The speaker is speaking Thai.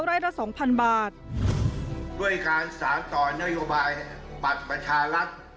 ร้อยละสองพันบาทด้วยการสารต่อนโยบายบัตรประชารัฐ